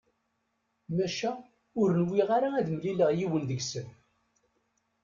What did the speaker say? Maca ur nwiɣ ara ad d-mlileɣ yiwen deg-sen.